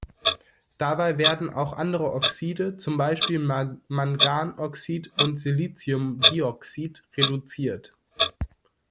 Dabei werden auch andere Oxide, zum Beispiel Mangandioxid und Siliciumdioxid, reduziert.